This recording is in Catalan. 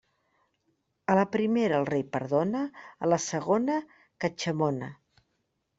A la primera el rei perdona; a la segona, catxamona.